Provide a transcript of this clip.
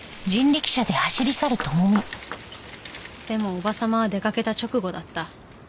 でも叔母様は出かけた直後だった。